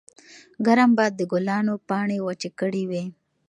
ګرم باد د ګلانو پاڼې وچې کړې وې.